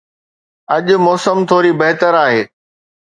اڄ موسم ٿوري بهتر آهي